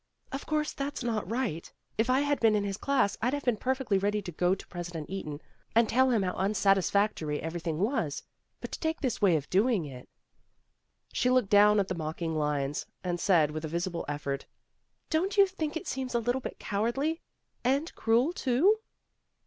"Of course that's not right. If I had been A PARTIAL ECLIPSE 261 in his class I'd have been perfectly ready to go to President Eaton, and tell him how unsatis factory everything was. But to take this way of doing it " she looked down at the mocking lines and said with a visible effort, " Don't you think it seems a little bit cowardly and cruel, too?"